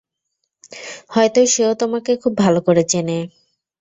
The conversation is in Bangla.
হয়তো সেও তোমাকে খুব ভালো করে চেনে।